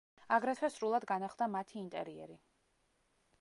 აგრეთვე სრულად განახლდა მათი ინტერიერი.